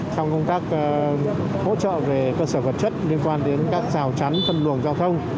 trong công tác hỗ trợ về cơ sở vật chất liên quan đến các rào chắn phân luồng giao thông